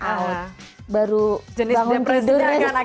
baru bangun tidur